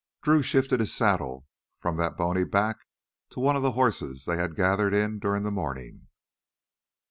Drew shifted his saddle from that bony back to one of the horses they had gathered in during the morning.